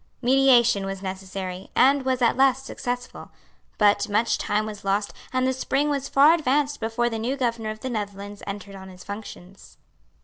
Mediation was necessary, and was at last successful. But much time was lost; and the spring was far advanced before the new Governor of the Netherlands entered on his functions.